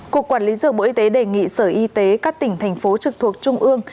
cục quản lý dược bộ y tế đề nghị sở y tế các tỉnh thành phố trực thuộc trung ương